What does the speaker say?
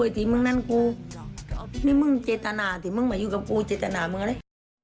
ที่มึงนั่นกูนี่มึงเจตนาที่มึงมาอยู่กับกูเจตนามึงอะไร